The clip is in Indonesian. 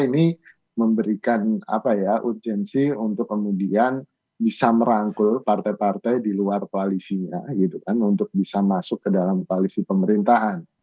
ini memberikan urgensi untuk kemudian bisa merangkul partai partai di luar koalisinya gitu kan untuk bisa masuk ke dalam koalisi pemerintahan